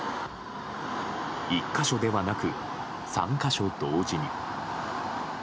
１か所ではなく３か所同時に。